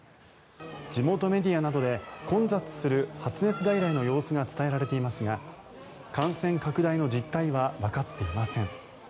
地元メディアなどで混雑する発熱外来の様子が伝えられていますが感染拡大の実態はわかっていません。